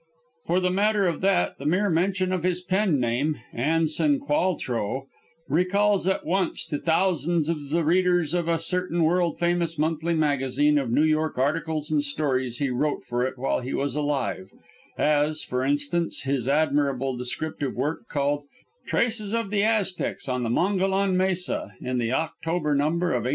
For the matter of that, the mere mention of his pen name, "Anson Qualtraugh," recalls at once to thousands of the readers of a certain world famous monthly magazine of New York articles and stories he wrote for it while he was alive; as, for instance, his admirable descriptive work called "Traces of the Aztecs on the Mogolon Mesa," in the October number of 1890.